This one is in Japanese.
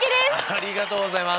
ありがとうございます。